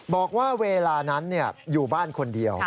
บอกว่าเวลานั้นอยู่บ้านคนเดียว